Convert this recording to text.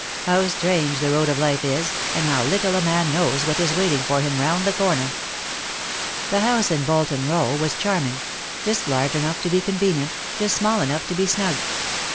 How strange the road of life is, and how little a man knows what is waiting for him round the corner/' The house in Bolton Row was charming ; just large enough to be convenient, just small enough to be snug.